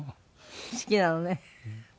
好きなのね。